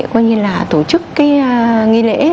tổ chức cái nghi lễ